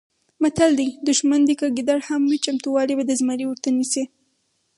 متل دی: دوښمن دې که ګیدړ هم وي چمتوالی به د زمري ورته نیسې.